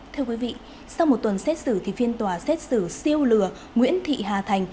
thưa quý vị sau một tuần xét xử thì phiên tòa xét xử siêu lừa nguyễn thị hà thành